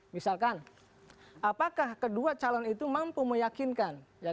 misalkan apakah kedua calon itu mampu meyakinkan